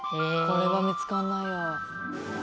これは見つかんないわ。